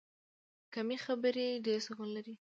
کمې خبرې، ډېر سکون لري.